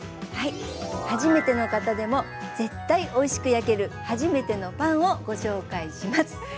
はいはじめての方でも絶対おいしく焼けるはじめてのパンをご紹介します。